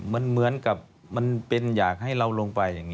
มันเหมือนกับมันเป็นอยากให้เราลงไปอย่างนี้